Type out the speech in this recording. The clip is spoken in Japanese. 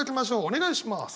お願いします。